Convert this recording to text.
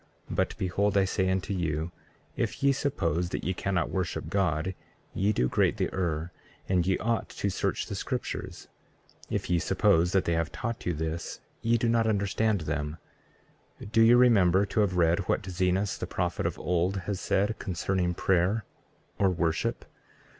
But behold, I say unto you, if ye suppose that ye cannot worship God, ye do greatly err, and ye ought to search the scriptures; if ye suppose that they have taught you this, ye do not understand them. 33:3 Do ye remember to have read what Zenos, the prophet of old, has said concerning prayer or worship?